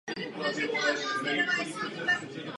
V přízemí se nacházela a stále nachází pobočka spořitelny.